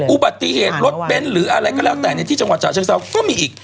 อุบัติเหตุรถเบ้นหรืออะไรก็แล้วแต่ในที่จังหวัดฉะเชิงเซาก็มีอีก